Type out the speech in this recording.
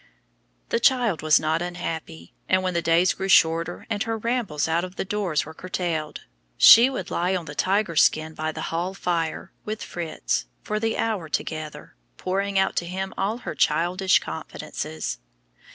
The child was not unhappy, and when the days grew shorter, and her rambles out of doors were curtailed, she would lie on the tiger skin by the hall fire with Fritz for the hour together, pouring out to him all her childish confidences.